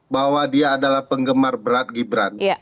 bahwa dia adalah penggemar berat gibran